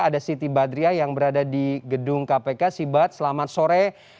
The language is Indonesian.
ada siti badriah yang berada di gedung kpk sibat selamat sore